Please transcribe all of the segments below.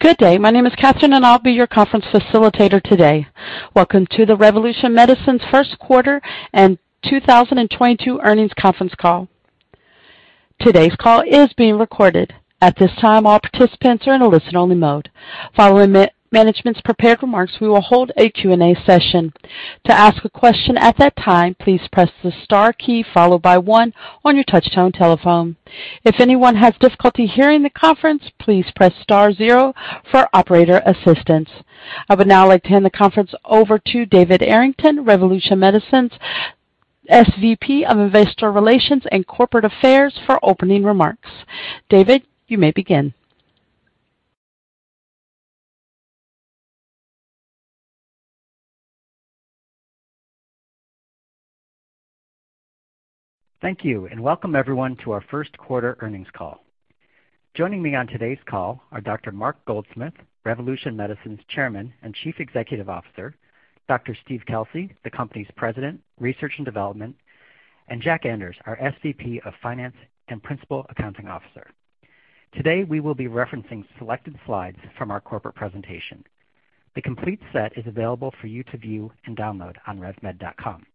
Good day. My name is Catherine, and I'll be your conference facilitator today. Welcome to the Revolution Medicines Q1 2022 earnings conference call. Today's call is being recorded. At this time, all participants are in a listen-only mode. Following management's prepared remarks, we will hold a Q&A session. To ask a question at that time, please press the star key followed by one on your touchtone telephone. If anyone has difficulty hearing the conference, please press star zero for operator assistance. I would now like to hand the conference over to David Arrington, Revolution Medicines SVP of Investor Relations and Corporate Affairs, for opening remarks. David, you may begin. Thank you, and welcome everyone to our Q1 earnings call. Joining me on today's call are Dr. Mark Goldsmith, Revolution Medicines Chairman and Chief Executive Officer, Dr. Steve Kelsey, the Company's President, Research and Development, and Jack Anders, our SVP of Finance and Principal Accounting Officer. Today, we will be referencing selected slides from our corporate presentation. The complete set is available for you to view and download on revmed.com.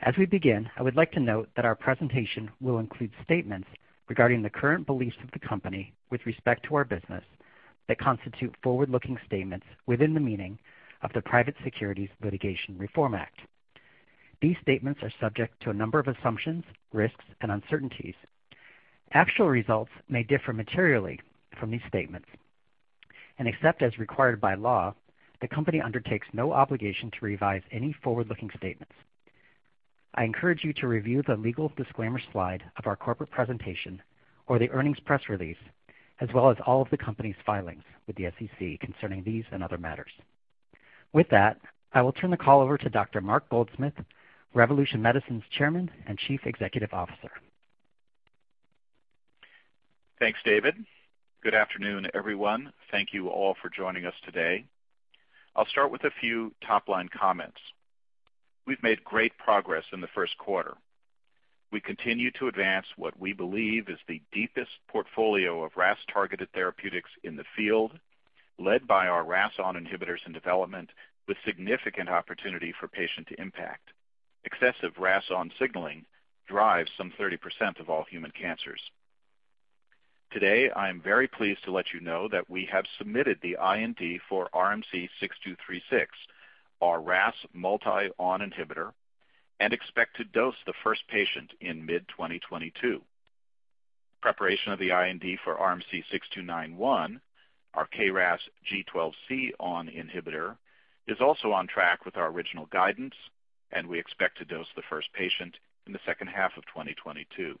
As we begin, I would like to note that our presentation will include statements regarding the current beliefs of the company with respect to our business that constitute forward-looking statements within the meaning of the Private Securities Litigation Reform Act. These statements are subject to a number of assumptions, risks, and uncertainties. Actual results may differ materially from these statements. Except as required by law, the company undertakes no obligation to revise any forward-looking statements. I encourage you to review the legal disclaimer slide of our corporate presentation or the earnings press release, as well as all of the company's filings with the SEC concerning these and other matters. With that, I will turn the call over to Dr. Mark Goldsmith, Revolution Medicines Chairman and Chief Executive Officer. Thanks, David. Good afternoon, everyone. Thank you all for joining us today. I'll start with a few top-line comments. We've made great progress in the Q1. We continue to advance what we believe is the deepest portfolio of RAS-targeted therapeutics in the field, led by our RAS(ON) inhibitors in development with significant opportunity for patient impact. Excessive RAS(ON) signaling drives some 30% of all human cancers. Today, I am very pleased to let you know that we have submitted the IND for RMC-6236, our RAS(ON) multi-selective inhibitor, and expect to dose the first patient in mid-2022. Preparation of the IND for RMC-6291, our KRAS G12C ON inhibitor, is also on track with our original guidance, and we expect to dose the first patient in the H2 of 2022.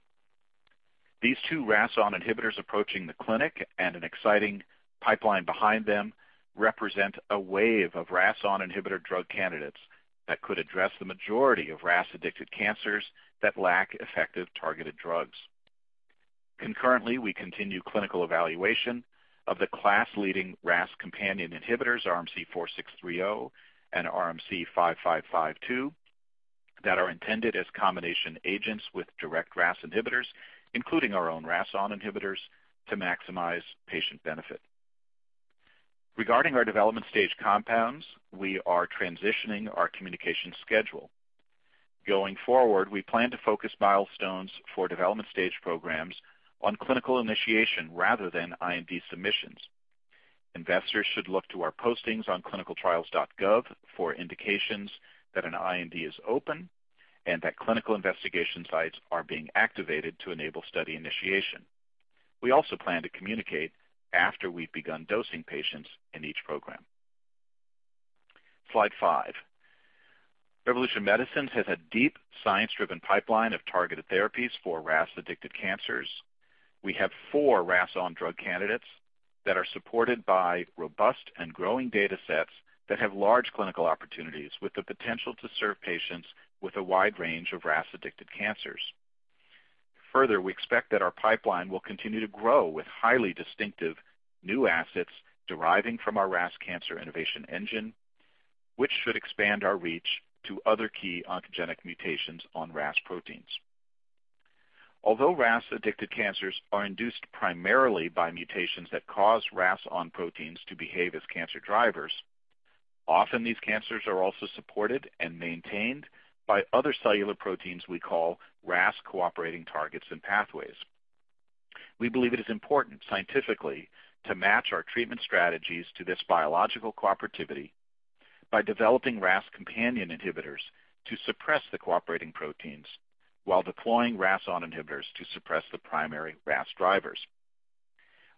These two RAS-ON inhibitors approaching the clinic and an exciting pipeline behind them represent a wave of RAS-ON inhibitor drug candidates that could address the majority of RAS-addicted cancers that lack effective targeted drugs. Concurrently, we continue clinical evaluation of the class-leading RAS companion inhibitors, RMC-4630 and RMC-5552, that are intended as combination agents with direct RAS inhibitors, including our own RAS-ON inhibitors, to maximize patient benefit. Regarding our development stage compounds, we are transitioning our communication schedule. Going forward, we plan to focus milestones for development stage programs on clinical initiation rather than IND submissions. Investors should look to our postings on ClinicalTrials.gov for indications that an IND is open and that clinical investigation sites are being activated to enable study initiation. We also plan to communicate after we've begun dosing patients in each program. Slide five. Revolution Medicines has a deep science-driven pipeline of targeted therapies for RAS-addicted cancers. We have four RAS-ON drug candidates that are supported by robust and growing datasets that have large clinical opportunities with the potential to serve patients with a wide range of RAS-addicted cancers. Further, we expect that our pipeline will continue to grow with highly distinctive new assets deriving from our RAS cancer innovation engine, which should expand our reach to other key oncogenic mutations on RAS proteins. Although RAS-addicted cancers are induced primarily by mutations that cause RAS-ON proteins to behave as cancer drivers, often these cancers are also supported and maintained by other cellular proteins we call RAS cooperating targets and pathways. We believe it is important scientifically to match our treatment strategies to this biological cooperativity by developing RAS companion inhibitors to suppress the cooperating proteins while deploying RAS-ON inhibitors to suppress the primary RAS drivers.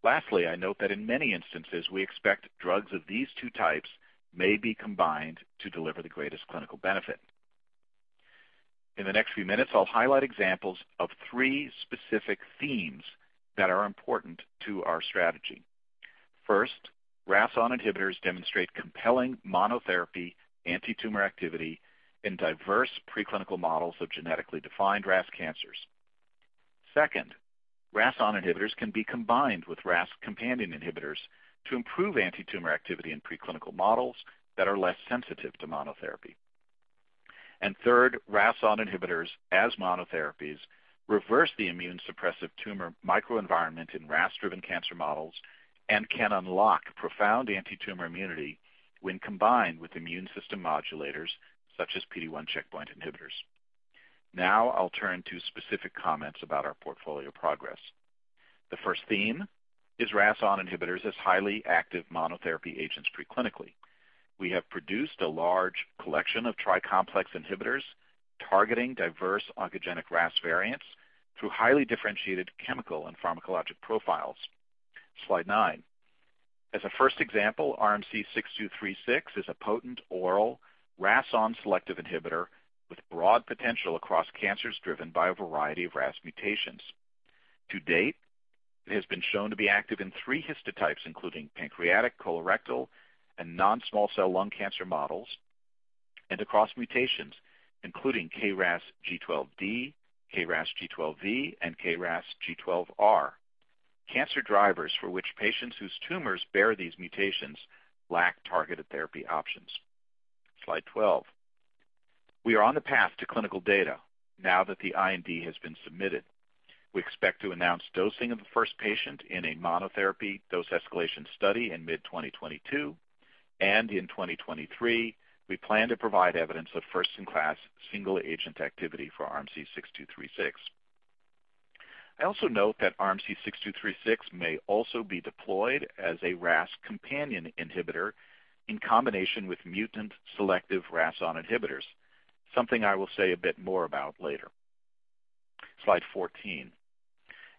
Lastly, I note that in many instances, we expect drugs of these two types may be combined to deliver the greatest clinical benefit. In the next few minutes, I'll highlight examples of three specific themes that are important to our strategy. First, RAS-ON inhibitors demonstrate compelling monotherapy anti-tumor activity in diverse preclinical models of genetically defined RAS cancers. Second, RAS-ON inhibitors can be combined with RAS companion inhibitors to improve anti-tumor activity in preclinical models that are less sensitive to monotherapy. Third, RAS-ON inhibitors as monotherapies reverse the immune suppressive tumor microenvironment in RAS driven cancer models and can unlock profound antitumor immunity when combined with immune system modulators such as PD-1 checkpoint inhibitors. Now I'll turn to specific comments about our portfolio progress. The first theme is RAS(ON) inhibitors as highly active monotherapy agents preclinically. We have produced a large collection of tri-complex inhibitors targeting diverse oncogenic RAS variants through highly differentiated chemical and pharmacologic profiles. Slide nine. As a first example, RMC-6236 is a potent oral RAS(ON) selective inhibitor with broad potential across cancers driven by a variety of RAS mutations. To date, it has been shown to be active in three histotypes, including pancreatic, colorectal, and non-small cell lung cancer models, and across mutations including KRAS G12D, KRAS G12V, and KRAS G12R, cancer drivers for which patients whose tumors bear these mutations lack targeted therapy options. Slide 12. We are on the path to clinical data now that the IND has been submitted. We expect to announce dosing of the first patient in a monotherapy dose escalation study in mid-2022, and in 2023, we plan to provide evidence of first-in-class single agent activity for RMC-6236. I also note that RMC-6236 may also be deployed as a RAS companion inhibitor in combination with mutant-selective RAS(ON) inhibitors, something I will say a bit more about later. Slide 14.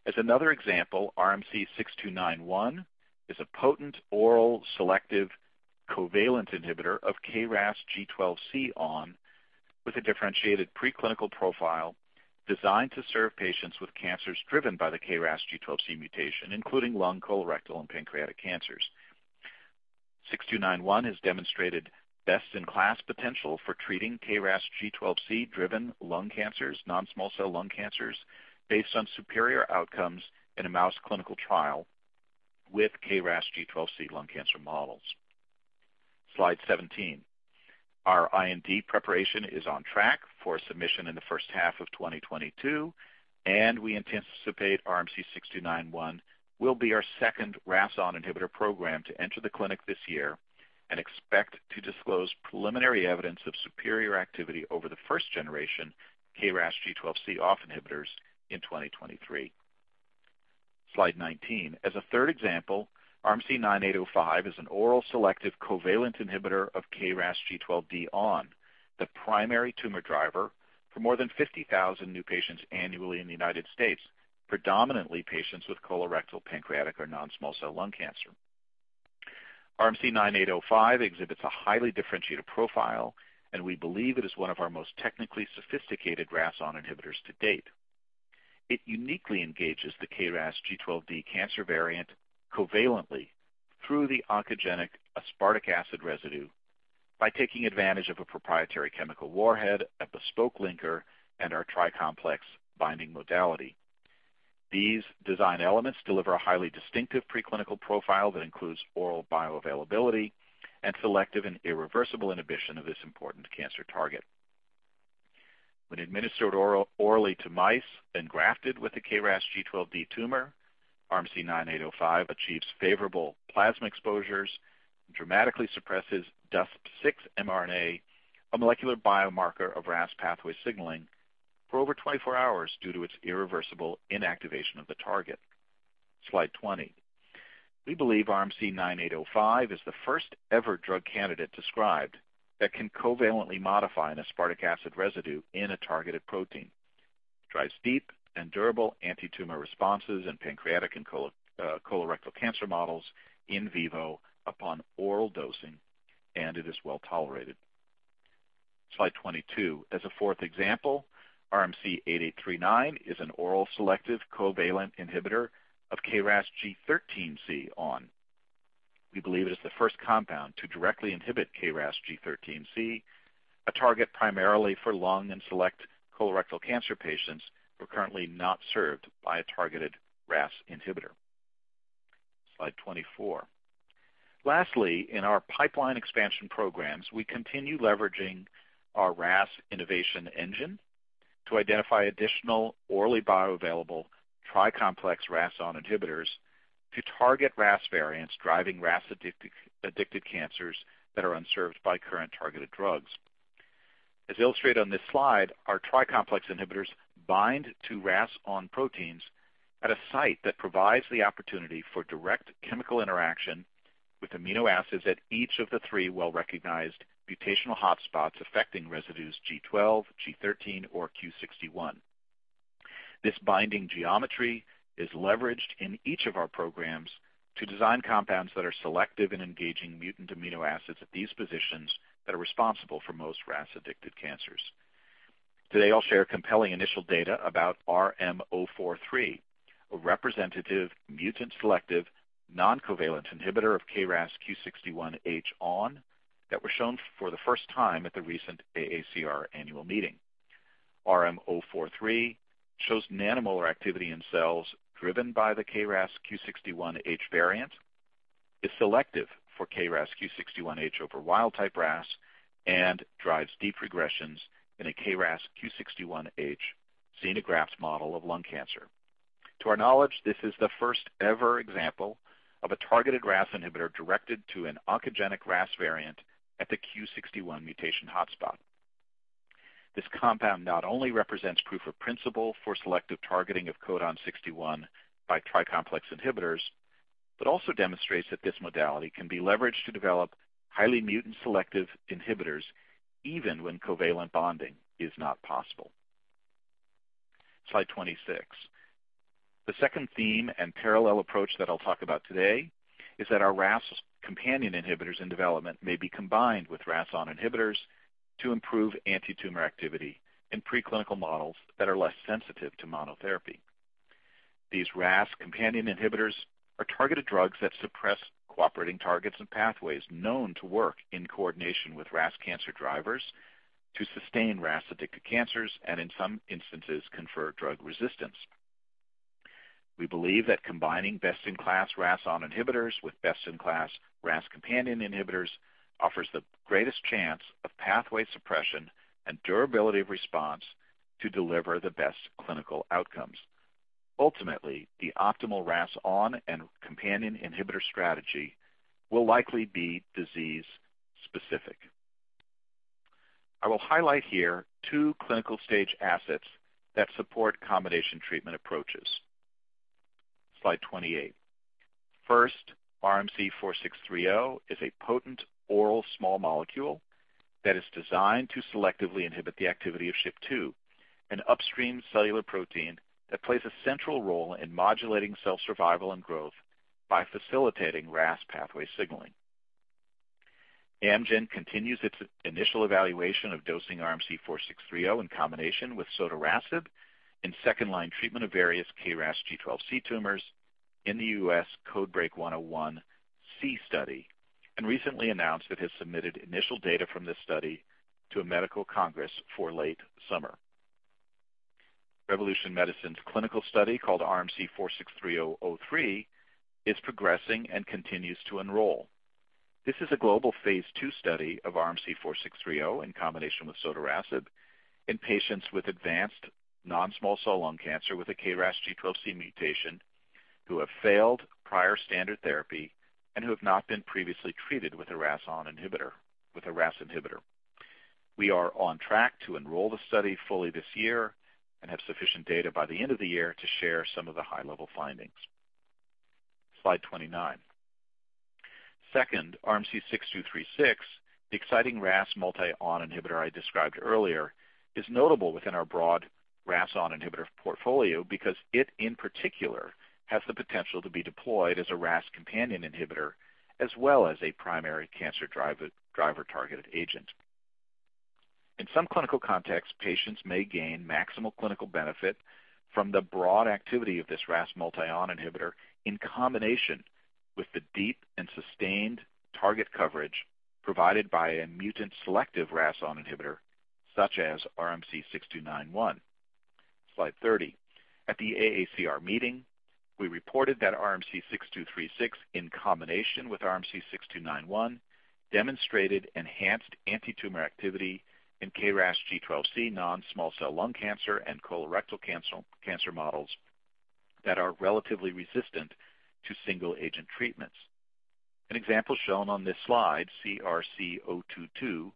As another example, RMC-6291 is a potent oral selective covalent inhibitor of KRAS G12C ON with a differentiated preclinical profile designed to serve patients with cancers driven by the KRAS G12C mutation, including lung, colorectal, and pancreatic cancers. RMC-6291 has demonstrated best in class potential for treating KRAS G12C driven lung cancers, non-small cell lung cancers based on superior outcomes in a mouse clinical trial with KRAS G12C lung cancer models. Slide 17. Our IND preparation is on track for submission in the H1 of 2022, and we anticipate RMC-6291 will be our second RAS(ON) inhibitor program to enter the clinic this year and expect to disclose preliminary evidence of superior activity over the first generation KRAS G12C off inhibitors in 2023. Slide 19. As a third example, RMC-9805 is an oral selective covalent inhibitor of KRAS G12D ON, the primary tumor driver for more than 50,000 new patients annually in the United States, predominantly patients with colorectal, pancreatic or non-small cell lung cancer. RMC-9805 exhibits a highly differentiated profile, and we believe it is one of our most technically sophisticated RAS(ON) inhibitors to date. It uniquely engages the KRAS G12D cancer variant covalently through the oncogenic aspartic acid residue by taking advantage of a proprietary chemical warhead, a bespoke linker, and our tri-complex binding modality. These design elements deliver a highly distinctive preclinical profile that includes oral bioavailability and selective and irreversible inhibition of this important cancer target. When administered orally to mice then grafted with the KRAS G12D tumor, RMC-9805 achieves favorable plasma exposures and dramatically suppresses DUSP6 mRNA, a molecular biomarker of RAS pathway signaling, for over 24 hours due to its irreversible inactivation of the target. Slide 20. We believe RMC-9805 is the first ever drug candidate described that can covalently modify an aspartic acid residue in a targeted protein. It drives deep and durable antitumor responses in pancreatic and colorectal cancer models in vivo upon oral dosing, and it is well tolerated. Slide 22. As a fourth example, RMC-8839 is an oral selective covalent inhibitor of KRAS G13C ON. We believe it is the first compound to directly inhibit KRAS G13C, a target primarily for lung and select colorectal cancer patients who are currently not served by a targeted RAS inhibitor. Slide 24. Lastly, in our pipeline expansion programs, we continue leveraging our RAS innovation engine to identify additional orally bioavailable tri-complex RAS ON inhibitors to target RAS variants driving RAS addicted cancers that are unserved by current targeted drugs. As illustrated on this slide, our tri-complex inhibitors bind to RAS(ON) proteins at a site that provides the opportunity for direct chemical interaction with amino acids at each of the three well-recognized mutational hotspots affecting residues G12, G13 or Q61. This binding geometry is leveraged in each of our programs to design compounds that are selective in engaging mutant amino acids at these positions that are responsible for most RAS addicted cancers. Today, I'll share compelling initial data about RM-043, a representative mutant selective non-covalent inhibitor of KRAS Q61H, one that was shown for the first time at the recent AACR annual meeting. RM-043 shows nanomolar activity in cells driven by the KRAS Q61H variant, is selective for KRAS Q61H over wild type RAS, and drives deep regressions in a KRAS Q61H xenograft model of lung cancer. To our knowledge, this is the first ever example of a targeted RAS inhibitor directed to an oncogenic RAS variant at the Q61 mutation hotspot. This compound not only represents proof of principle for selective targeting of codon 61 by tri-complex inhibitors, but also demonstrates that this modality can be leveraged to develop highly mutant selective inhibitors even when covalent bonding is not possible. Slide 26. The second theme and parallel approach that I'll talk about today is that our RAS companion inhibitors in development may be combined with RAS(ON) inhibitors to improve antitumor activity in preclinical models that are less sensitive to monotherapy. These RAS companion inhibitors are targeted drugs that suppress cooperating targets and pathways known to work in coordination with RAS cancer drivers to sustain RAS addicted cancers, and in some instances confer drug resistance. We believe that combining best-in-class RAS(ON) inhibitors with best-in-class RAS companion inhibitors offers the greatest chance of pathway suppression and durability of response to deliver the best clinical outcomes. Ultimately, the optimal RAS(ON) and companion inhibitor strategy will likely be disease specific. I will highlight here two clinical stage assets that support combination treatment approaches. Slide 28. First, RMC-4630 is a potent oral small molecule that is designed to selectively inhibit the activity of SHP2, an upstream cellular protein that plays a central role in modulating cell survival and growth by facilitating RAS pathway signaling. Amgen continues its initial evaluation of dosing RMC-4630 in combination with sotorasib in second-line treatment of various KRAS G12C tumors in the U.S. CodeBreaK 101 study and recently announced it has submitted initial data from this study to a medical congress for late summer. Revolution Medicines clinical study, called RMC-4630-03, is progressing and continues to enroll. This is a global phase II study of RMC-4630 in combination with sotorasib in patients with advanced non-small cell lung cancer with a KRAS G12C mutation who have failed prior standard therapy and who have not been previously treated with a RAS inhibitor. We are on track to enroll the study fully this year and have sufficient data by the end of the year to share some of the high level findings. Slide 29. Second, RMC-6236, the exciting RAS multi-on inhibitor I described earlier, is notable within our broad RAS(ON) inhibitor portfolio because it in particular has the potential to be deployed as a RAS companion inhibitor as well as a primary cancer driver targeted agent. In some clinical contexts, patients may gain maximal clinical benefit from the broad activity of this RAS(ON) multi-selective inhibitor in combination with the deep and sustained target coverage provided by a mutant-selective RAS-ON inhibitor such as RMC-6291. Slide 30. At the AACR meeting, we reported that RMC-6236 in combination with RMC-6291 demonstrated enhanced antitumor activity in KRAS G12C non-small cell lung cancer and colorectal cancer models that are relatively resistant to single agent treatments. An example shown on this slide, CRC-022,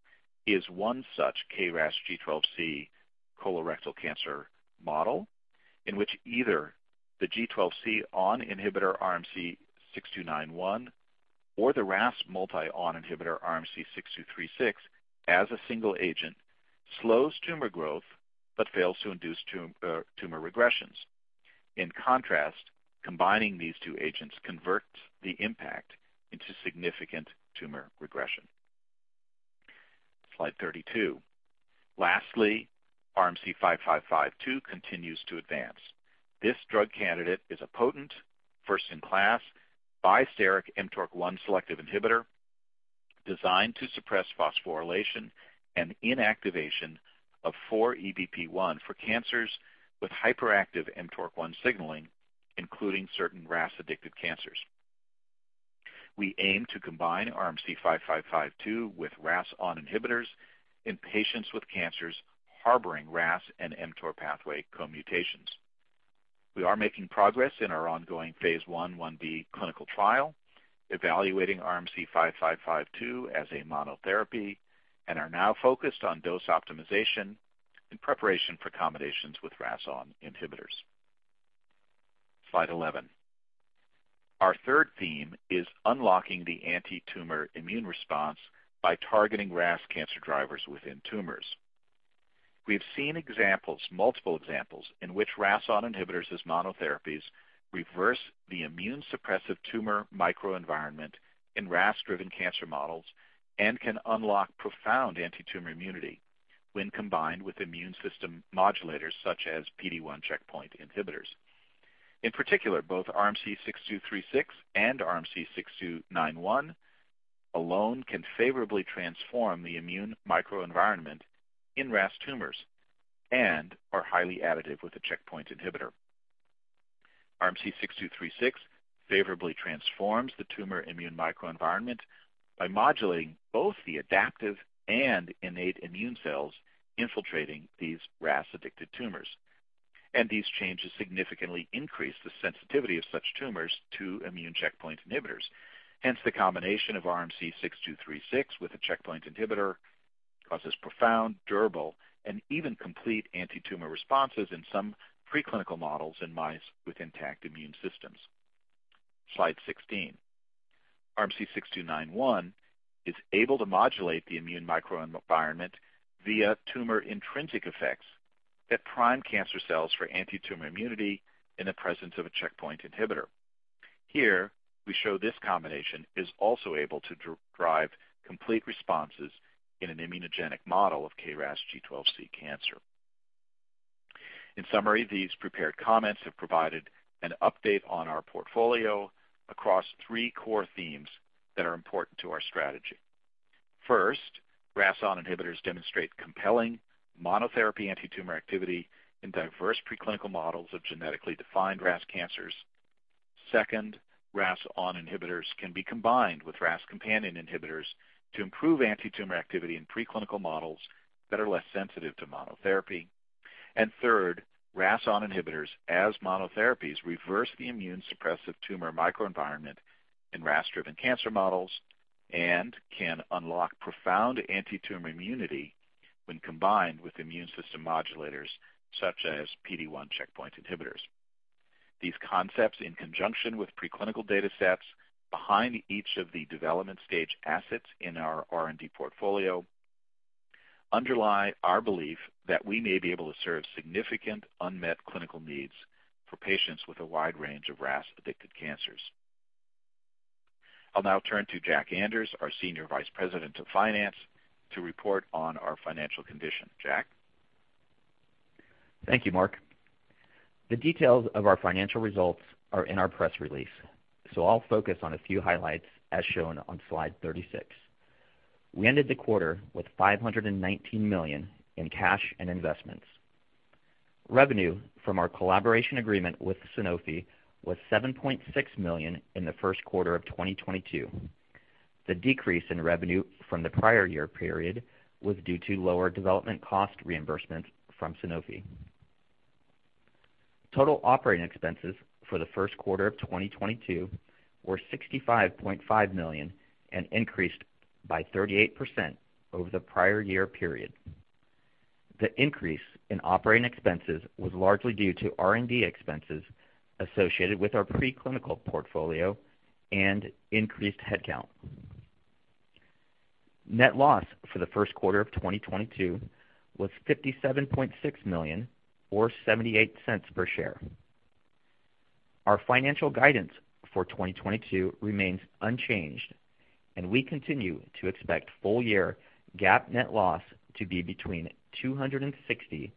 is one such KRAS G12C colorectal cancer model in which either the G12C-ON inhibitor RMC-6291 or the RAS(ON) multi-selective inhibitor RMC-6236 as a single agent slows tumor growth but fails to induce tumor regressions. In contrast, combining these two agents converts the impact into significant tumor regression. Slide 32. Lastly, RMC-5552 continues to advance. This drug candidate is a potent first in class bi-steric mTORC1 selective inhibitor designed to suppress phosphorylation and inactivation of 4EBP1 for cancers with hyperactive mTORC1 signaling, including certain RAS-addicted cancers. We aim to combine RMC-5552 with RAS-ON inhibitors in patients with cancers harboring RAS and mTOR pathway co-mutations. We are making progress in our ongoing phase I, 1b clinical trial evaluating RMC-5552 as a monotherapy and are now focused on dose optimization in preparation for combinations with RAS-ON inhibitors. Slide 11. Our third theme is unlocking the antitumor immune response by targeting RAS cancer drivers within tumors. We have seen examples, multiple examples in which RAS-ON inhibitors as monotherapies reverse the immunosuppressive tumor microenvironment in RAS-driven cancer models and can unlock profound antitumor immunity when combined with immune system modulators such as PD-1 checkpoint inhibitors. In particular, both RMC-6236 and RMC-6291 alone can favorably transform the immune microenvironment in RAS tumors and are highly additive with a checkpoint inhibitor. RMC-6236 favorably transforms the tumor immune microenvironment by modulating both the adaptive and innate immune cells infiltrating these RAS-addicted tumors. These changes significantly increase the sensitivity of such tumors to immune checkpoint inhibitors. Hence, the combination of RMC-6236 with a checkpoint inhibitor causes profound, durable, and even complete antitumor responses in some preclinical models in mice with intact immune systems. Slide 16. RMC-6291 is able to modulate the immune microenvironment via tumor-intrinsic effects that prime cancer cells for antitumor immunity in the presence of a checkpoint inhibitor. Here we show this combination is also able to derive complete responses in an immunogenic model of KRAS G12C cancer. In summary, these prepared comments have provided an update on our portfolio across three core themes that are important to our strategy. First, RAS(ON) inhibitors demonstrate compelling monotherapy antitumor activity in diverse preclinical models of genetically defined RAS cancers. Second, RAS(ON) inhibitors can be combined with RAS companion inhibitors to improve antitumor activity in preclinical models that are less sensitive to monotherapy. Third, RAS(ON) inhibitors as monotherapies reverse the immune suppressive tumor microenvironment in RAS-driven cancer models and can unlock profound antitumor immunity when combined with immune system modulators such as PD-1 checkpoint inhibitors. These concepts, in conjunction with preclinical data sets behind each of the development stage assets in our R&D portfolio, underlie our belief that we may be able to serve significant unmet clinical needs for patients with a wide range of RAS-addicted cancers. I'll now turn to Jack Anders, our Senior Vice President of Finance, to report on our financial condition. Jack? Thank you, Mark. The details of our financial results are in our press release, so I'll focus on a few highlights as shown on slide 36. We ended the quarter with $519 million in cash and investments. Revenue from our collaboration agreement with Sanofi was $7.6 million in the Q1 of 2022. The decrease in revenue from the prior year period was due to lower development cost reimbursements from Sanofi. Total operating expenses for the Q1 of 2022 were $65.5 million and increased by 38% over the prior year period. The increase in operating expenses was largely due to R&D expenses associated with our preclinical portfolio and increased headcount. Net loss for the Q1 of 2022 was $57.6 million, or $0.78 per share. Our financial guidance for 2022 remains unchanged, and we continue to expect full year GAAP net loss to be between $260 million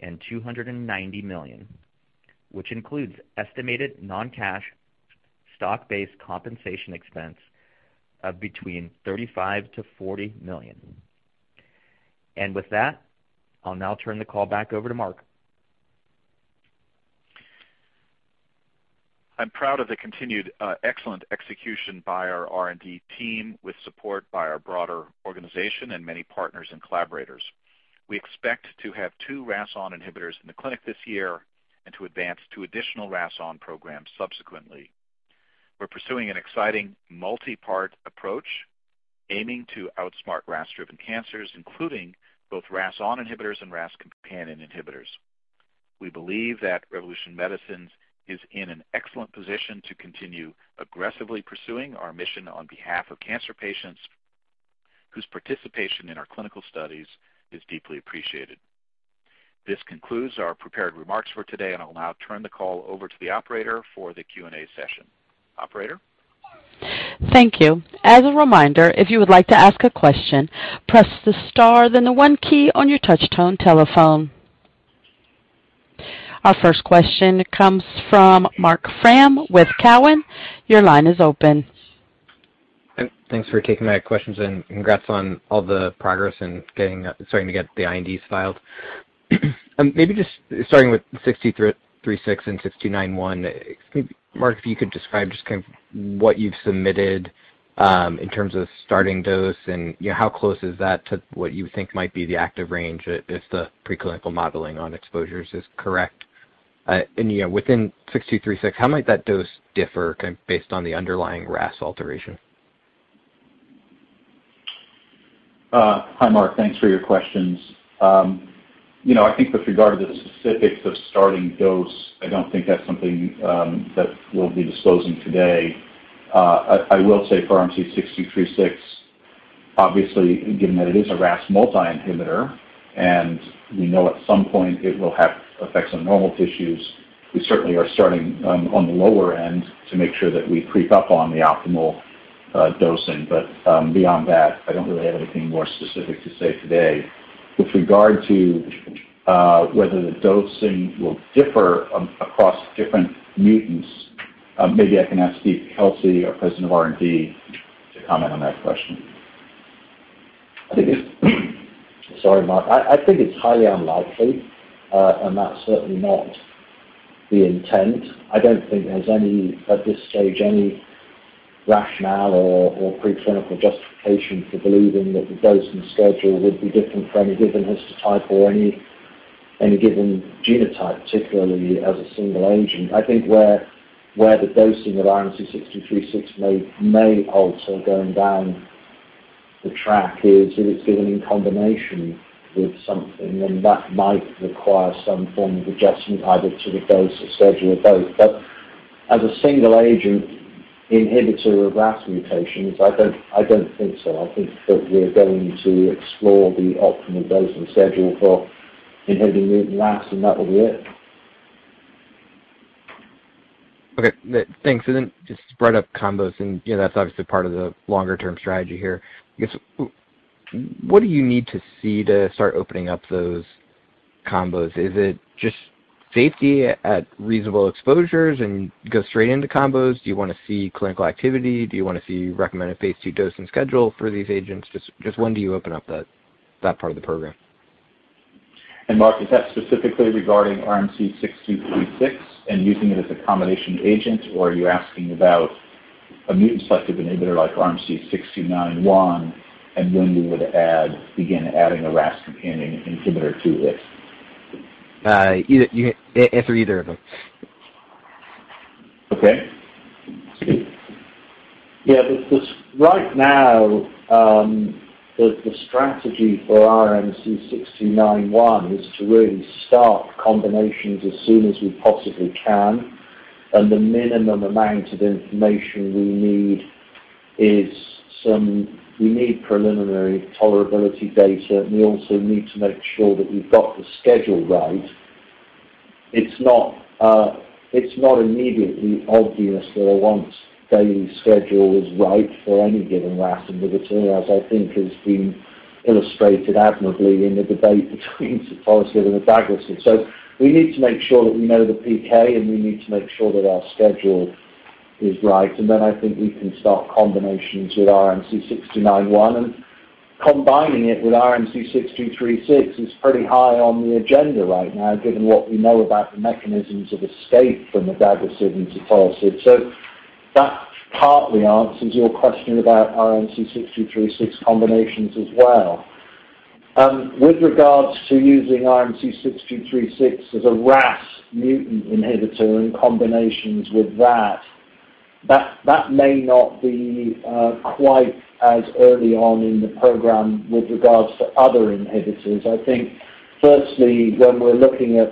and $290 million, which includes estimated non-cash stock-based compensation expense of between $35 million-$40 million. With that, I'll now turn the call back over to Mark. I'm proud of the continued, excellent execution by our R&D team with support by our broader organization and many partners and collaborators. We expect to have two RAS(ON) inhibitors in the clinic this year and to advance two additional RAS(ON) programs subsequently. We're pursuing an exciting multi-part approach aiming to outsmart RAS-driven cancers, including both RAS(ON) inhibitors and RAS companion inhibitors. We believe that Revolution Medicines is in an excellent position to continue aggressively pursuing our mission on behalf of cancer patients, whose participation in our clinical studies is deeply appreciated. This concludes our prepared remarks for today, and I'll now turn the call over to the operator for the Q&A session. Operator? Thank you. As a reminder, if you would like to ask a question, press the star then the one key on your touch tone telephone. Our first question comes from Marc Frahm with Cowen. Your line is open. Thanks for taking my questions and congrats on all the progress and starting to get the INDs filed. Maybe just starting with RMC-6236 and RMC-6291. Mark, if you could describe just kind of what you've submitted in terms of starting dose and, you know, how close is that to what you think might be the active range if the preclinical modeling on exposures is correct? You know, within RMC-6236, how might that dose differ based on the underlying RAS alteration? Hi Marc, thanks for your questions. You know, I think with regard to the specifics of starting dose, I don't think that's something that we'll be disclosing today. I will say for RMC-6236, obviously, given that it is a RAS multi inhibitor and we know at some point it will have effects on normal tissues, we certainly are starting on the lower end to make sure that we creep up on the optimal dosing. Beyond that, I don't really have anything more specific to say today. With regard to whether the dosing will differ across different mutants, maybe I can ask Steve Kelsey, our President of R&D, to comment on that question. I think it's highly unlikely, and that's certainly not the intent. I don't think there's any, at this stage, any rationale or preclinical justification for believing that the dosing schedule would be different for any given histotype or any given genotype, particularly as a single agent. I think where the dosing of RMC-6236 may alter going down the track is if it's given in combination with something, then that might require some form of adjustment either to the dose or schedule or both. As a single agent inhibitor of RAS mutations, I don't think so. I think that we're going to explore the optimal dosing schedule for inhibiting mutant RAS, and that will be it. Okay. Thanks. Just to speed up combos and, you know, that's obviously part of the longer-term strategy here. I guess what do you need to see to start opening up those combos? Is it just safety at reasonable exposures and go straight into combos? Do you wanna see clinical activity? Do you wanna see recommended phase II dosing schedule for these agents? Just when do you open up that part of the program? Marc, is that specifically regarding RMC-6236 and using it as a combination agent, or are you asking about a mutant selective inhibitor like RMC-6291, and when you would begin adding a RAS companion inhibitor to it? Either. You can answer either of them. Okay. Steve. Right now, the strategy for RMC-6291 is to really start combinations as soon as we possibly can, and the minimum amount of information we need is preliminary tolerability data. We also need to make sure that we've got the schedule right. It's not immediately obvious that a once daily schedule is right for any given RAS inhibitor, as I think has been illustrated admirably in the debate between sotorasib and adagrasib. We need to make sure that we know the PK, and we need to make sure that our schedule is right. I think we can start combinations with RMC-6291. Combining it with RMC-6236 is pretty high on the agenda right now, given what we know about the mechanisms of escape from adagrasib and sotorasib. That partly answers your question about RMC-6236 combinations as well. With regards to using RMC-6236 as a RAS mutant inhibitor in combinations with that may not be quite as early on in the program with regards to other inhibitors. I think firstly, when we're looking at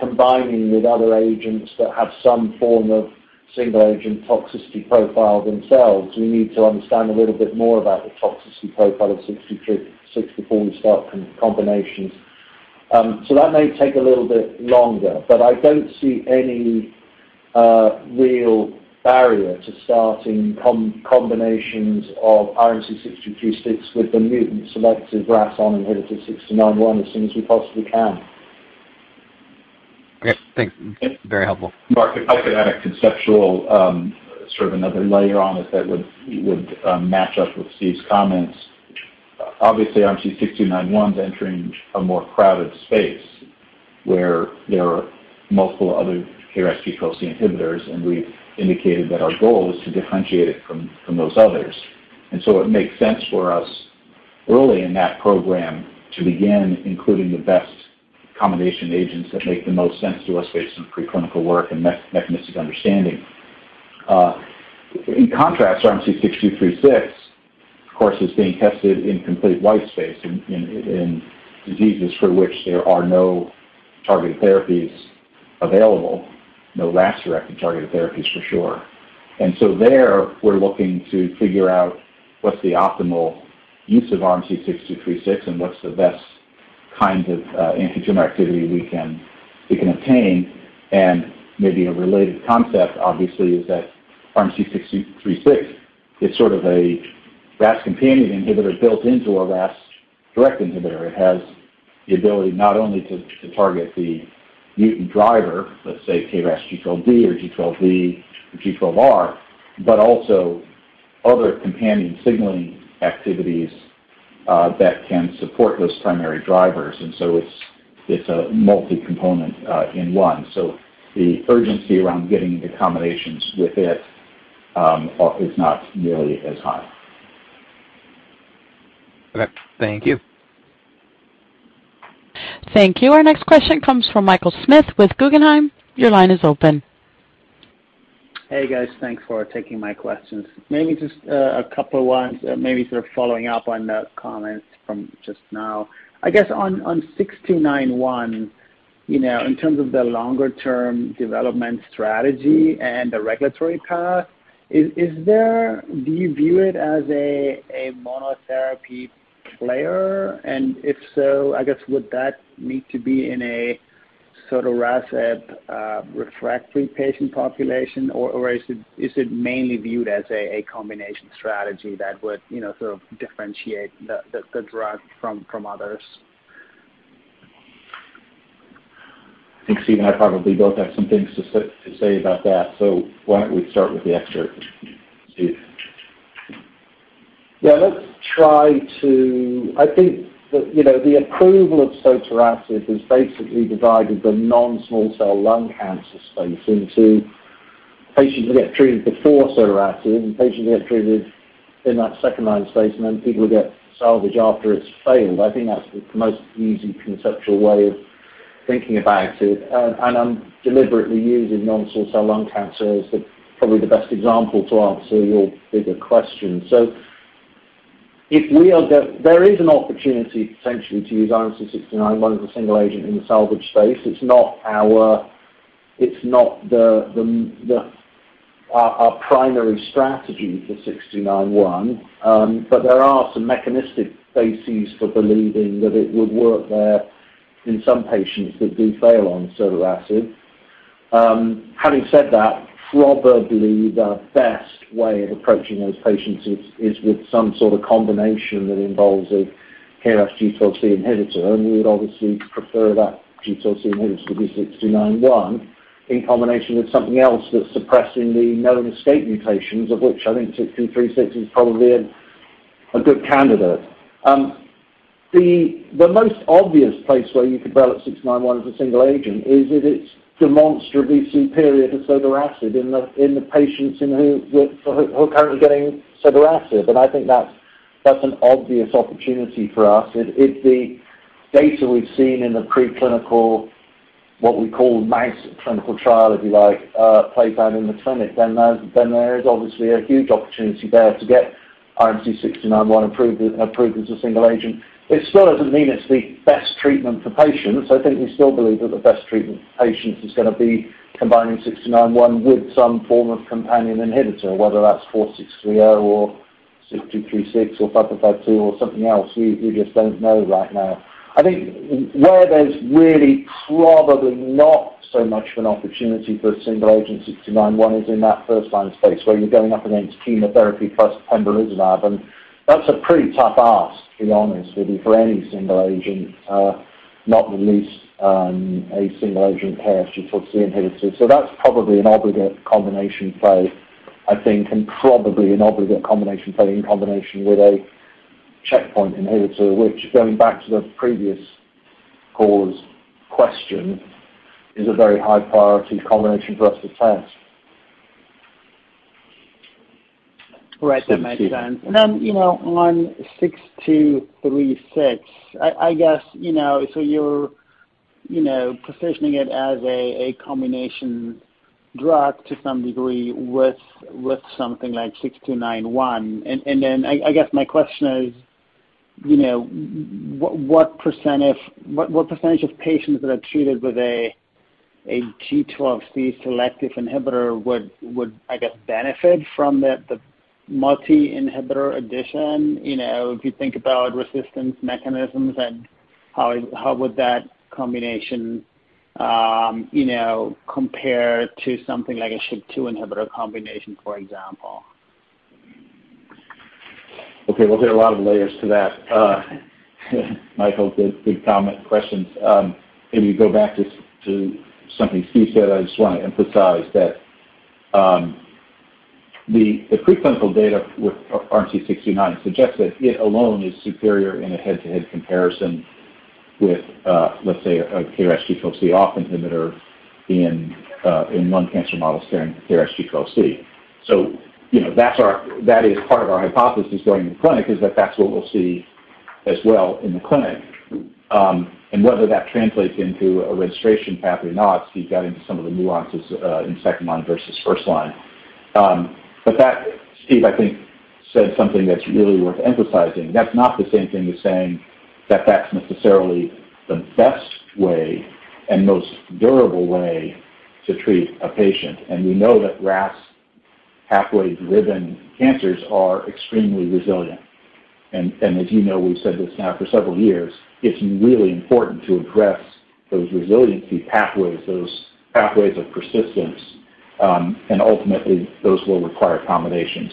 combining with other agents that have some form of single agent toxicity profile themselves, we need to understand a little bit more about the toxicity profile of 6236 before we start combinations. That may take a little bit longer. I don't see any real barrier to starting combinations of RMC-6236 with the mutant selective RAS(ON) inhibitor 6291 as soon as we possibly can. Okay. Thanks. Yeah. Very helpful. Marc, if I could add a conceptual sort of another layer on it that would match up with Steve's comments. Obviously RMC-6291's entering a more crowded space where there are multiple other KRAS G12C inhibitors, and we've indicated that our goal is to differentiate it from those others. It makes sense for us early in that program to begin including the best combination agents that make the most sense to us based on preclinical work and mechanistic understanding. In contrast, RMC-6236 of course is being tested in complete white space in diseases for which there are no targeted therapies available, no RAS-directed targeted therapies for sure. There, we're looking to figure out what's the optimal use of RMC-6236 and what's the best kinds of antitumor activity we can obtain. Maybe a related concept obviously is that RMC-6236 is sort of a RAS companion inhibitor built into a RAS direct inhibitor. It has the ability not only to target the mutant driver, let's say KRAS G12D or G12E or G12R, but also other companion signaling activities that can support those primary drivers. It's a multi-component in one. The urgency around getting into combinations with it is not nearly as high. Okay. Thank you. Thank you. Our next question comes from Michael Schmidt with Guggenheim. Your line is open. Hey, guys. Thanks for taking my questions. Maybe just a couple ones, maybe sort of following up on the comments from just now. I guess on RMC-6291, you know, in terms of the longer-term development strategy and the regulatory path, do you view it as a monotherapy player? And if so, I guess would that need to be in sotorasib refractory patient population, or is it mainly viewed as a combination strategy that would, you know, sort of differentiate the drug from others? I think Steve and I probably both have some things to say about that. Why don't we start with the expert, Steve? Yeah, let's try to I think that, you know, the approval of Sotorasib has basically divided the non-small cell lung cancer space into patients who get treated before Sotorasib and patients who get treated in that second-line space, and then people who get salvage after it's failed. I think that's the most easy conceptual way of thinking about it. I'm deliberately using non-small cell lung cancer as the, probably the best example to answer your bigger question. There is an opportunity essentially to use RMC-6291 as a single agent in the salvage space. It's not our, it's not the our primary strategy for RMC-6291, but there are some mechanistic bases for believing that it would work there in some patients that do fail on Sotorasib. Having said that, probably the best way of approaching those patients is with some sort of combination that involves a KRAS G12C inhibitor, and we would obviously prefer that G12C inhibitor to be RMC-6291 in combination with something else that's suppressing the known escape mutations, of which I think RMC-6236 is probably a good candidate. The most obvious place where you could develop RMC-6291 as a single agent is if it's demonstrably superior to sotorasib in the patients who are currently getting sotorasib, and I think that's an obvious opportunity for us. If the data we've seen in the preclinical, what we call mouse clinical trial, if you like, plays out in the clinic, then there is obviously a huge opportunity there to get RMC-6291 approved as a single agent. It still doesn't mean it's the best treatment for patients. I think we still believe that the best treatment for patients is gonna be combining RMC-6291 with some form of companion inhibitor, whether that's RMC-4630 or RMC-6236 or RMC-5552 or something else. We just don't know right now. I think where there's really probably not so much of an opportunity for a single agent RMC-6291 is in that first-line space, where you're going up against chemotherapy plus pembrolizumab, and that's a pretty tough ask, to be honest with you, for any single agent, not least, a single agent KRAS G12C inhibitor. That's probably an obligate combination play, I think, and probably an obligate combination play in combination with a checkpoint inhibitor, which going back to the previous caller's question, is a very high priority combination for us to test. Right. That makes sense. Thank you. You know, on 6236, I guess, you know, so you're positioning it as a combination drug to some degree with something like 6291. Then I guess my question is, you know, what percentage of patients that are treated with a G12C selective inhibitor would, I guess, benefit from the multi-inhibitor addition? You know, if you think about resistance mechanisms and how would that combination compare to something like a SHP2 inhibitor combination, for example? Okay. Well, there are a lot of layers to that. Michael, good comment, questions. Maybe go back to something Steve said. I just wanna emphasize that the preclinical data with RMC-6291 suggests that it alone is superior in a head-to-head comparison with, let's say a KRAS G12C off inhibitor in lung cancer models carrying the KRAS G12C. You know, that is part of our hypothesis going into clinic, is that that's what we'll see as well in the clinic. Whether that translates into a registration path or not, Steve got into some of the nuances in second line versus first line. That, Steve, I think, said something that's really worth emphasizing. That's not the same thing as saying that that's necessarily the best way and most durable way to treat a patient. We know that RAS pathway-driven cancers are extremely resilient. As you know, we've said this now for several years, it's really important to address those resiliency pathways, those pathways of persistence, and ultimately those will require combination.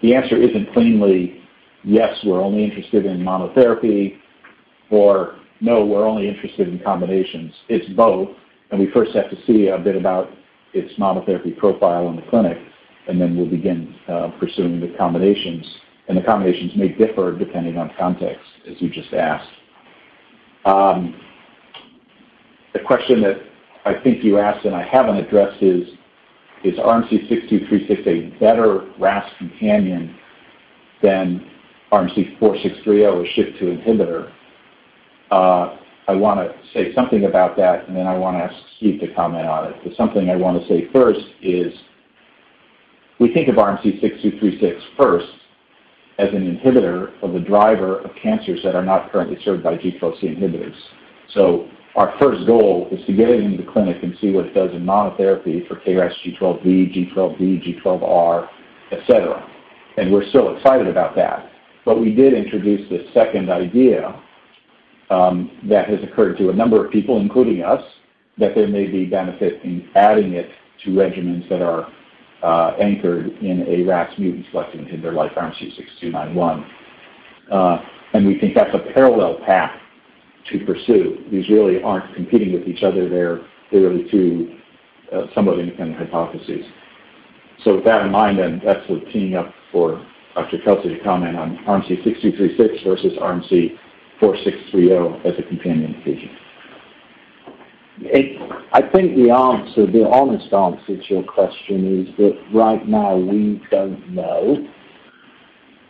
The answer isn't cleanly, yes, we're only interested in monotherapy or no, we're only interested in combinations. It's both. We first have to see a bit about its monotherapy profile in the clinic, and then we'll begin pursuing the combinations. The combinations may differ depending on context, as you just asked. The question that I think you asked and I haven't addressed is RMC-6236 a better RAS companion than RMC-4630, a SHP2 inhibitor? I wanna say something about that, and then I wanna ask Steve to comment on it. Something I wanna say first is we think of RMC-6236 first as an inhibitor of the driver of cancers that are not currently served by G12C inhibitors. Our first goal is to get it into the clinic and see what it does in monotherapy for KRAS G12V, G12R, et cetera. We're still excited about that. We did introduce this second idea, that has occurred to a number of people, including us, that there may be benefit in adding it to regimens that are anchored in a RAS mutant selecting inhibitor like RMC-6291. We think that's a parallel path to pursue. These really aren't competing with each other. They're the two somewhat independent hypotheses. With that in mind, then that's sort of teeing up for Dr. Kelsey to comment on RMC-6236 versus RMC-4630 as a companion agent. I think the answer, the honest answer to your question is that right now we don't know.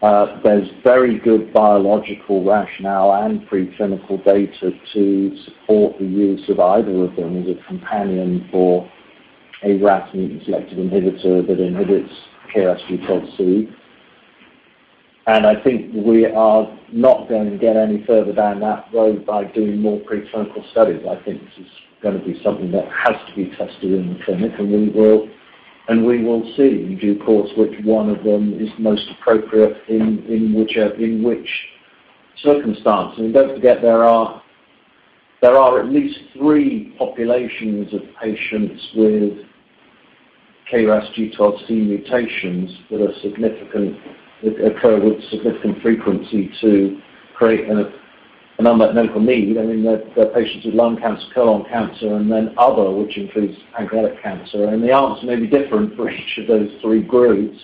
There's very good biological rationale and preclinical data to support the use of either of them as a companion for a RAS mutant selective inhibitor that inhibits KRAS G12C. I think we are not going to get any further down that road by doing more preclinical studies. I think this is gonna be something that has to be tested in the clinic, and we will see in due course which one of them is most appropriate in which circumstance. Don't forget, there are at least three populations of patients with KRAS G12C mutations that are significant, that occur with significant frequency to create an unmet medical need. I mean, the patients with lung cancer, colon cancer, and then other, which includes pancreatic cancer. The answer may be different for each of those three groups.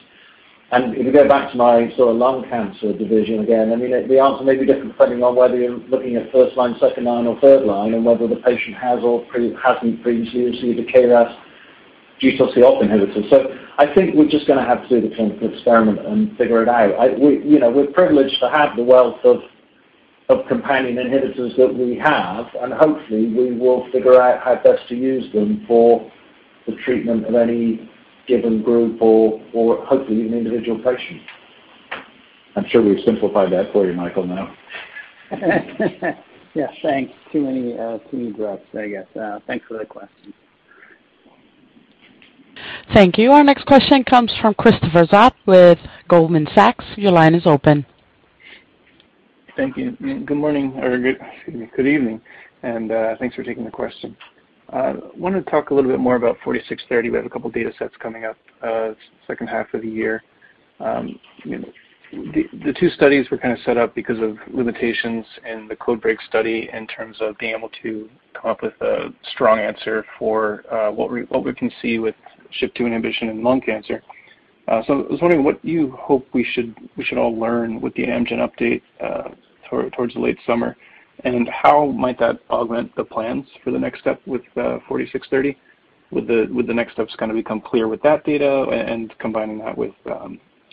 If you go back to my sort of lung cancer discussion again, I mean it, the answer may be different depending on whether you're looking at first line, second line, or third line and whether the patient has or hasn't previously had the KRAS G12C ON inhibitors. I think we're just gonna have to do the clinical experiment and figure it out. You know, we're privileged to have the wealth of companion inhibitors that we have, and hopefully we will figure out how best to use them for the treatment of any given group or hopefully even individual patients. I'm sure we've simplified that for you, Michael, now. Yeah. Thanks. Too many graphs, I guess. Thanks for the question. Thank you. Our next question comes from Christopher Joseph with Goldman Sachs. Your line is open. Thank you. Excuse me, good evening, and thanks for taking the question. Wanted to talk a little bit more about 4630. We have a couple datasets coming up, H2 of the year. The two studies were kinda set up because of limitations in the CodeBreaK study in terms of being able to come up with a strong answer for what we can see with SHP2 inhibition in lung cancer. I was wondering what you hope we should all learn with the Amgen update towards the late summer, and how might that augment the plans for the next step with 4630? Would the next steps kinda become clear with that data and combining that with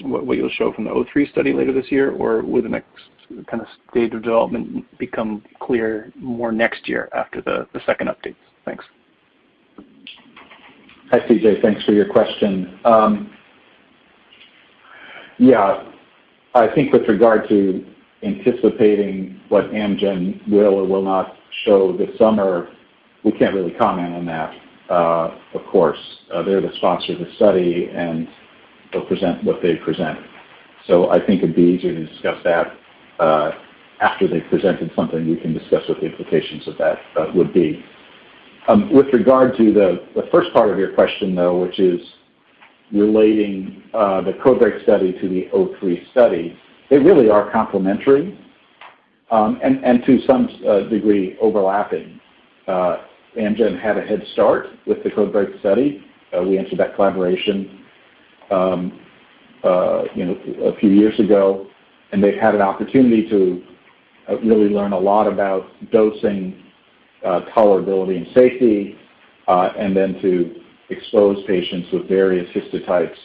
what you'll show from the 03 study later this year? Will the next kinda stage of development become clear more next year after the second updates? Thanks. Hi, CJ. Thanks for your question. Yeah, I think with regard to anticipating what Amgen will or will not show this summer, we can't really comment on that, of course. They're the sponsor of the study, and they'll present what they present. I think it'd be easier to discuss that, after they've presented something. We can discuss what the implications of that, would be. With regard to the first part of your question, though, which is relating, the CodeBreaK study to the 03 study, they really are complementary, and to some degree overlapping. Amgen had a head start with the CodeBreaK study. We entered that collaboration, you know, a few years ago, and they've had an opportunity to really learn a lot about dosing, tolerability, and safety, and then to expose patients with various histotypes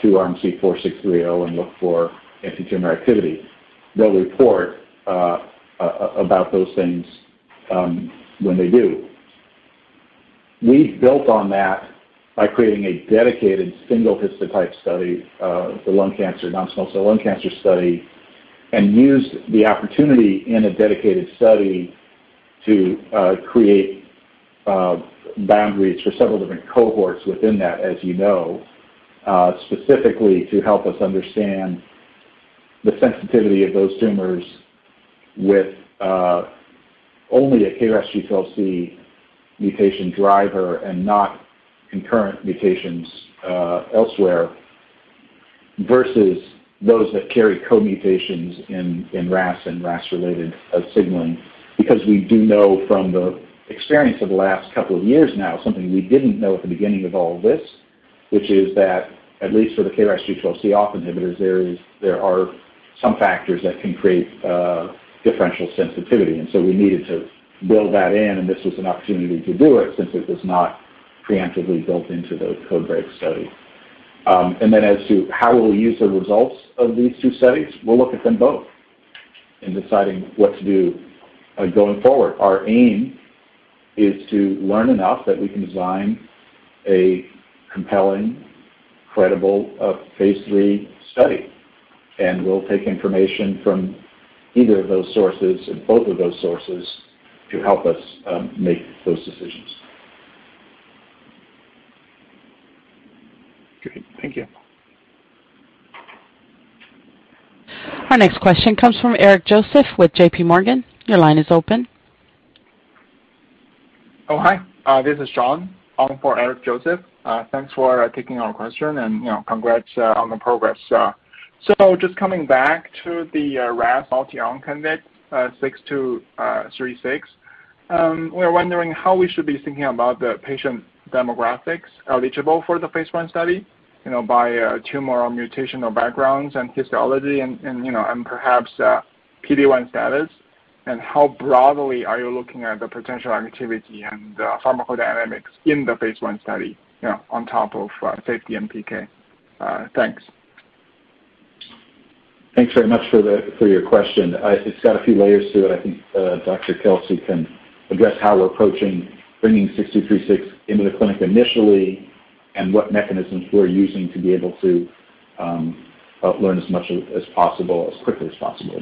to RMC-4630 and look for antitumor activity. They'll report about those things when they do. We've built on that by creating a dedicated single histotype study, the lung cancer, non-small cell lung cancer study, and used the opportunity in a dedicated study to create boundaries for several different cohorts within that, as you know, specifically to help us understand the sensitivity of those tumors with only a KRAS G12C mutation driver and not concurrent mutations elsewhere versus those that carry co-mutations in RAS and RAS-related signaling. Because we do know from the experience of the last couple of years now, something we didn't know at the beginning of all of this, which is that at least for the KRAS G12C off inhibitors, there are some factors that can create differential sensitivity. We needed to build that in, and this was an opportunity to do it since it was not preemptively built into the CodeBreaK study. As to how will we use the results of these two studies? We'll look at them both in deciding what to do going forward. Our aim is to learn enough that we can design a compelling, credible phase III study, and we'll take information from either of those sources or both of those sources to help us make those decisions. Great. Thank you. Our next question comes from Eric Joseph with J.P. Morgan. Your line is open. This is Sean for Eric Joseph. Thanks for taking our question and, you know, congrats on the progress. Just coming back to the RAS(ON) multi-selective RMC-6236. We're wondering how we should be thinking about the patient demographics eligible for the phase I study, you know, by tumor or mutational backgrounds and histology and, you know, and perhaps PD-1 status. How broadly are you looking at the potential activity and the pharmacodynamics in the phase I study, you know, on top of safety and PK? Thanks. Thanks very much for your question. It's got a few layers to it. I think, Dr. Kelsey can address how we're approaching bringing 6236 into the clinic initially and what mechanisms we're using to be able to learn as much as possible, as quickly as possible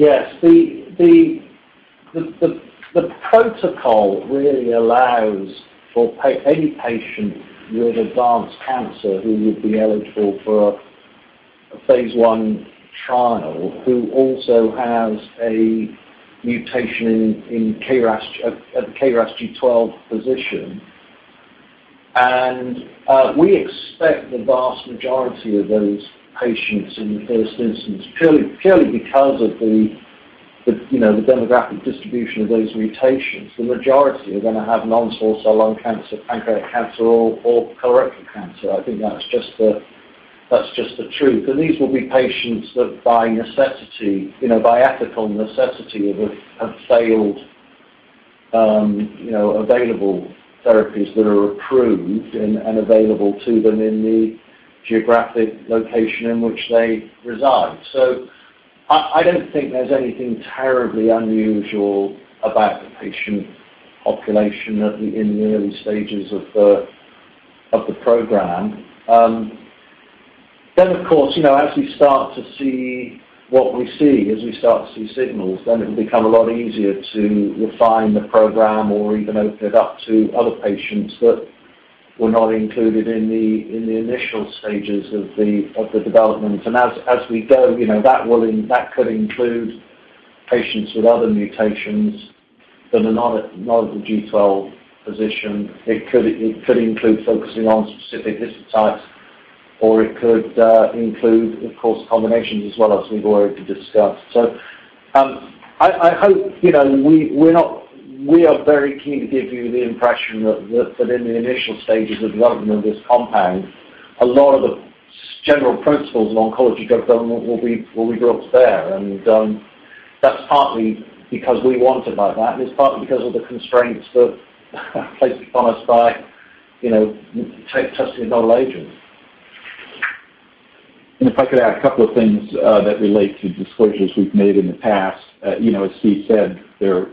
about it. Yes. The protocol really allows for any patient with advanced cancer who would be eligible for a phase one trial, who also has a mutation in KRAS at the KRAS G12 position. We expect the vast majority of those patients in the first instance, purely because of the demographic distribution of those mutations. The majority are gonna have non-small cell lung cancer, pancreatic cancer or colorectal cancer. I think that's just the truth. These will be patients that by necessity, you know, by ethical necessity have failed, you know, available therapies that are approved and available to them in the geographic location in which they reside. I don't think there's anything terribly unusual about the patient population in the early stages of the program. Of course, you know, as we start to see what we see, as we start to see signals, it'll become a lot easier to refine the program or even open it up to other patients that were not included in the initial stages of the development. As we go, you know, that could include patients with other mutations that are not at the G12 position. It could include focusing on specific histotypes or it could include of course combinations as well as we've already discussed. I hope, you know, we are very keen to give you the impression that within the initial stages of development of this compound, a lot of the general principles of oncology governance will be brought to bear. That's partly because we want it like that, and it's partly because of the constraints that placed upon us by, you know, testing a novel agent. If I could add a couple of things that relate to disclosures we've made in the past. You know, as Steve said, there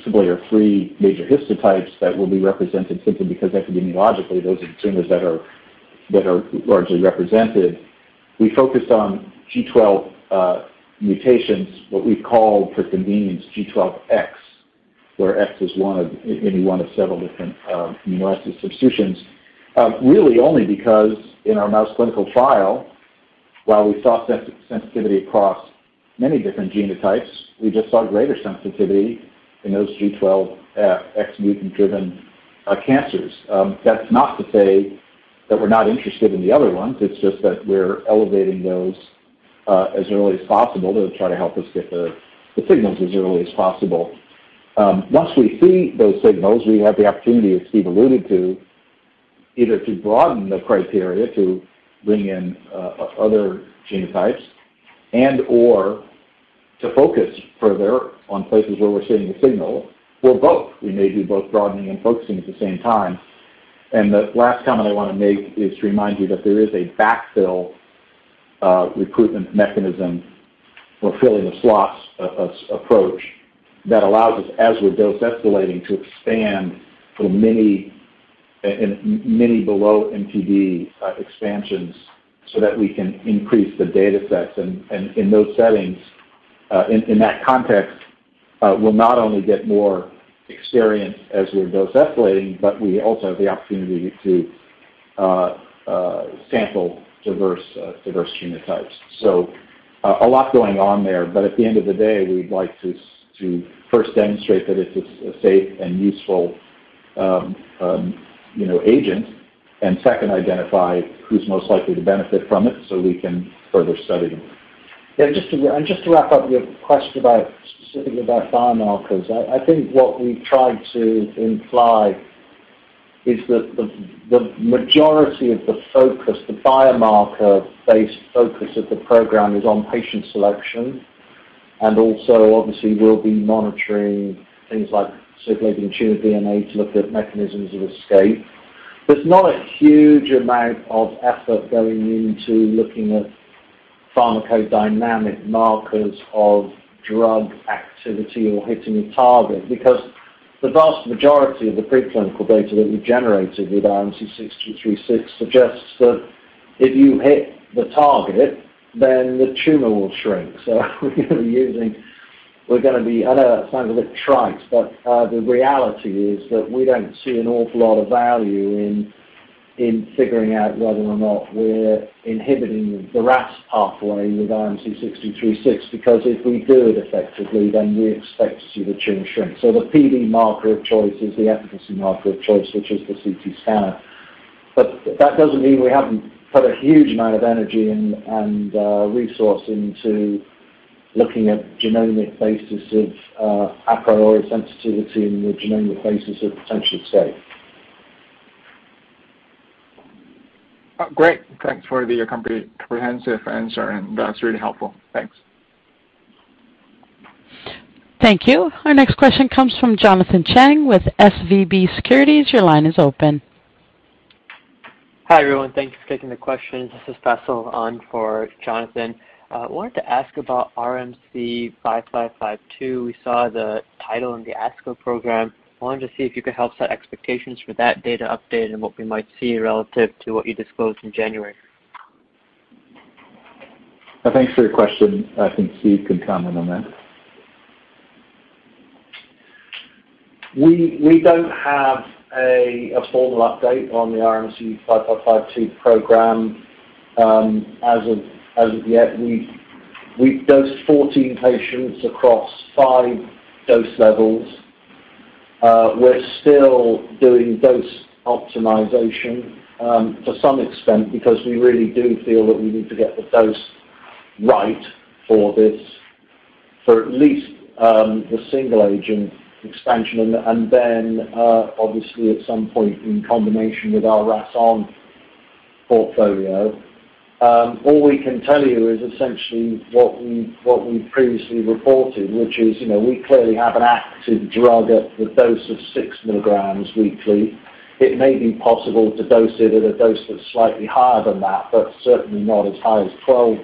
principally are three major histotypes that will be represented simply because epidemiologically those are the tumors that are largely represented. We focus on G12 mutations, what we call for convenience G12X, where X is any one of several different amino acid substitutions. Really only because in our mouse clinical trial, while we saw sensitivity across many different genotypes, we just saw greater sensitivity in those G12X mutant driven cancers. That's not to say that we're not interested in the other ones. It's just that we're elevating those as early as possible to try to help us get the signals as early as possible. Once we see those signals, we have the opportunity, as Steve alluded to, either to broaden the criteria to bring in other genotypes and/or to focus further on places where we're seeing a signal or both. We may do both broadening and focusing at the same time. The last comment I wanna make is to remind you that there is a backfill recruitment mechanism for filling the slots as we approach that allows us, as we're dose escalating, to expand the monotherapy and combination below MTD expansions so that we can increase the data sets. In those settings, in that context, we'll not only get more experience as we're dose escalating, but we also have the opportunity to sample diverse genotypes. A lot going on there, but at the end of the day, we'd like to first demonstrate that it's a safe and useful, you know, agent. Second, identify who's most likely to benefit from it so we can further study them. Yeah. Just to wrap up your question about, specifically about biomarkers. I think what we've tried to imply is that the majority of the focus, the biomarker-based focus of the program, is on patient selection. Also obviously we'll be monitoring things like circulating tumor DNA to look at mechanisms of escape. There's not a huge amount of effort going into looking at pharmacodynamic markers of drug activity or hitting the target. Because the vast majority of the preclinical data that we've generated with RMC-6236 suggests that if you hit the target, then the tumor will shrink. I know that sounds a bit trite, but the reality is that we don't see an awful lot of value in figuring out whether or not we're inhibiting the RAS pathway with RMC-6236, because if we do it effectively, then we expect to see the tumor shrink. The PD marker of choice is the efficacy marker of choice, which is the CT scanner. That doesn't mean we haven't put a huge amount of energy and resource into looking at genomic basis of a priori sensitivity and the genomic basis of potential escape. Great. Thanks for the comprehensive answer, and that's really helpful. Thanks. Thank you. Our next question comes from Jonathan Chang with SVB Securities. Your line is open. Hi, everyone. Thanks for taking the questions. This is Faisal on for Jonathan. Wanted to ask about RMC-5552. We saw the title in the ASCO program. Wanted to see if you could help set expectations for that data update and what we might see relative to what you disclosed in January. Thanks for your question. I think Steve can comment on that. We don't have a formal update on the RMC-5552 program, as of yet. We've dosed 14 patients across five dose levels. We're still doing dose optimization to some extent because we really do feel that we need to get the dose right for this at least the single agent expansion and then obviously at some point in combination with our RAS(ON) portfolio. All we can tell you is essentially what we previously reported, which is, you know, we clearly have an active drug at the dose of 6 milligrams weekly. It may be possible to dose it at a dose that's slightly higher than that, but certainly not as high as 12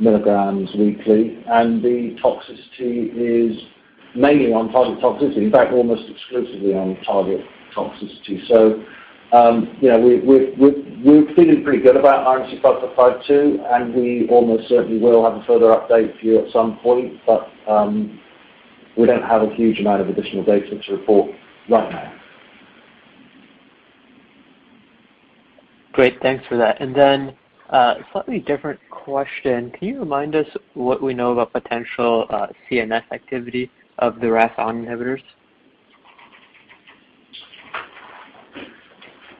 milligrams weekly. The toxicity is mainly on-target toxicity. In fact, almost exclusively on-target toxicity. You know, we're feeling pretty good about RMC-5552, and we almost certainly will have a further update for you at some point, but we don't have a huge amount of additional data to report right now. Great. Thanks for that. Slightly different question. Can you remind us what we know about potential CNS activity of the RAS(ON) inhibitors?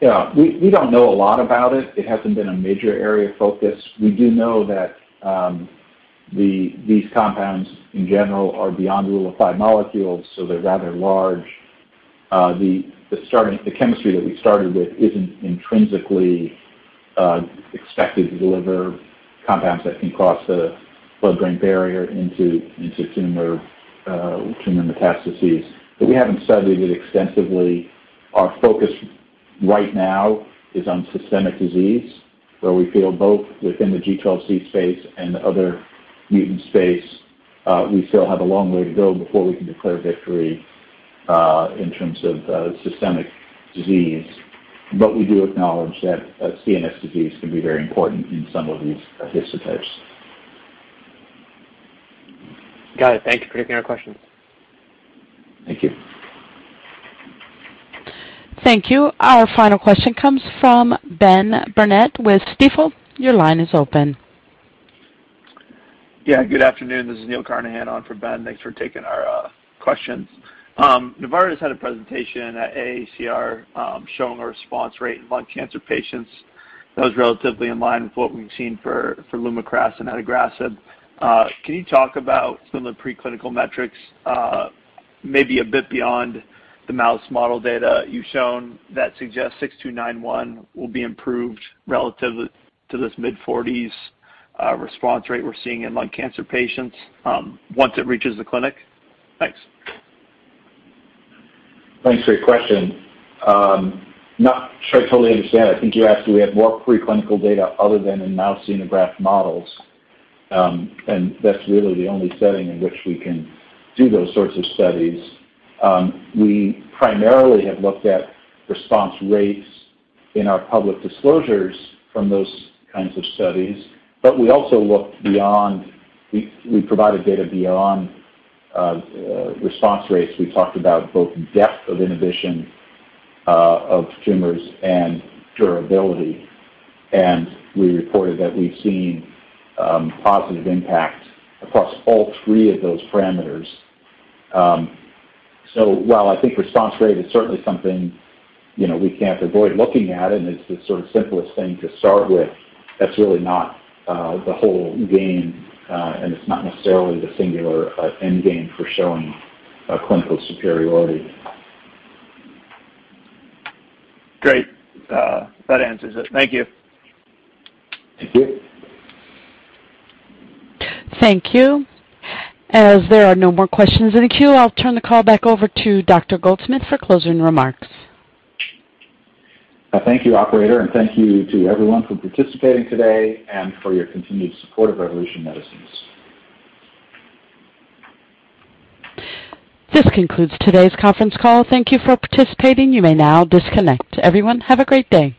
Yeah. We don't know a lot about it. It hasn't been a major area of focus. We do know that these compounds, in general, are beyond rule of five molecules, so they're rather large. The chemistry that we started with isn't intrinsically expected to deliver compounds that can cross the blood-brain barrier into tumor metastases. We haven't studied it extensively. Our focus right now is on systemic disease, where we feel both within the G12C space and the other mutant space, we still have a long way to go before we can declare victory in terms of systemic disease. We do acknowledge that CNS disease can be very important in some of these histotypes. Got it. Thank you for taking our questions. Thank you. Thank you. Our final question comes from Ben Burnett with Stifel. Your line is open. Yeah. Good afternoon. This is Neil Carnahan on for Ben. Thanks for taking our questions. Novartis had a presentation at AACR, showing a response rate in lung cancer patients that was relatively in line with what we've seen for Lumakras and adagrasib. Can you talk about some of the preclinical metrics, maybe a bit beyond the mouse model data you've shown that suggests 6291 will be improved relative to this mid-40s response rate we're seeing in lung cancer patients, once it reaches the clinic? Thanks. Thanks for your question. Not sure I totally understand. I think you asked, do we have more preclinical data other than in mouse xenograft models, and that's really the only setting in which we can do those sorts of studies. We primarily have looked at response rates in our public disclosures from those kinds of studies, but we also looked beyond. We provided data beyond response rates. We talked about both depth of inhibition of tumors and durability. We reported that we've seen positive impact across all three of those parameters. While I think response rate is certainly something, you know, we can't avoid looking at, and it's the sort of simplest thing to start with, that's really not the whole game, and it's not necessarily the singular end game for showing clinical superiority. Great. That answers it. Thank you. Thank you. Thank you. As there are no more questions in the queue, I'll turn the call back over to Dr. Goldsmith for closing remarks. Thank you, operator, and thank you to everyone for participating today and for your continued support of Revolution Medicines. This concludes today's conference call. Thank you for participating. You may now disconnect. Everyone, have a great day.